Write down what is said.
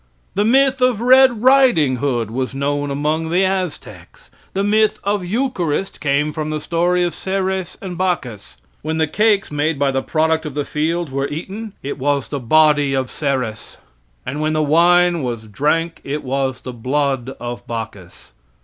The myth of Red Riding Hood, was known among the Aztecs. The myth of eucharist came from the story of Ceres and Bacchus. When the cakes made by the product of the field were eaten, it was the body of Ceres, and when the wine was drank it was the blood of Bacchus.